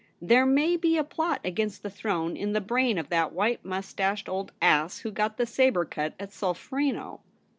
There may be a plot against the throne in the brain of that white moustached old ass who got the sabre cut at Solferino.